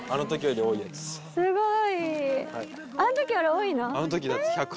⁉すごい！